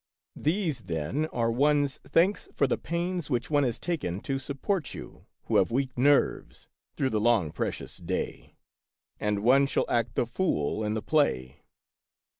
"These, then, are one's thanks for the pains which one has taken to support you, who have weak nerves, through the long precious day. And one shall act the fool in the play.